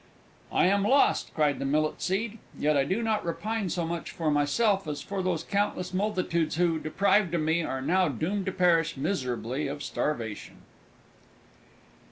"I am lost!" cried the Millet seed. "Yet I do not repine so much for myself as for those countless multitudes who, deprived of me, are now doomed to perish miserably of starvation!"